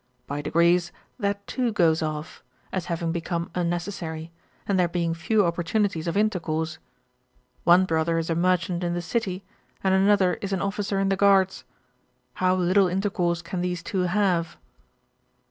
By degrees, that too goes off, as having become unnecessary, and there being few opportunities of intercourse. One brother is a merchant in the city, and another is an officer in the guards. How little intercourse can these two have!'